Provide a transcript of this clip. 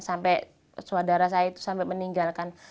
sampai saudara saya itu sampai meninggalkan